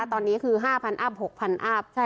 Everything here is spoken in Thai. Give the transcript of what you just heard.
ตอนนี้คือ๕๐๐อัพ๖๐๐อัพ